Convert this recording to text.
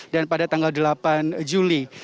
pada tanggal delapan juli